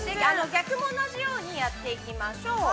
逆も同じようにやっていきましょう。